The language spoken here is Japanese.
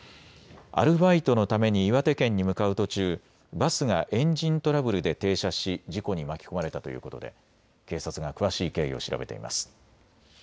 アルバイトのために岩手県に向かう途中、バスがエンジントラブルで停車し事故に巻き込まれたということで警察が詳しい経緯を調べています。